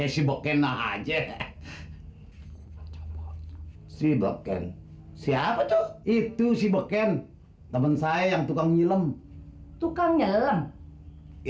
si boken siapa tuh itu si boken temen saya yang tukang nyilem tukang nyilem